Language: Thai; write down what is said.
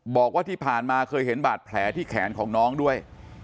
บอกว่าที่ผ่านมาเคยเห็นบาดแผลที่แขนของน้องด้วย